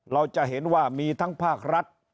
เราจะเห็นว่ามีทั้งภาครัฐ